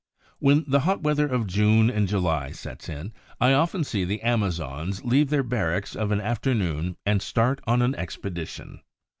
When the hot weather of June and July sets in, I often see the Amazons leave their barracks of an afternoon and start on an expedition.